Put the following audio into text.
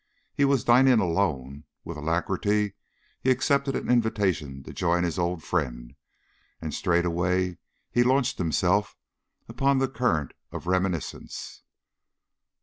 He was dining alone; with alacrity he accepted an invitation to join his old friend, and straightway he launched himself upon the current of reminiscence.